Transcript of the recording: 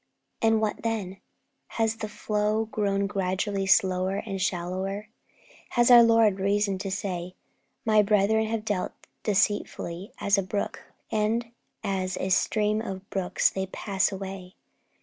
And what then? Has the flow grown gradually slower and shallower? Has our Lord reason to say, 'My brethren have dealt deceitfully as a brook, and as a stream of brooks they pass away'?